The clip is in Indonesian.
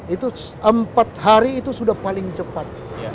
itu empat hari itu sudah paling cepat